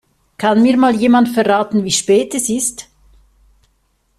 Kann mir mal jemand verraten, wie spät es ist?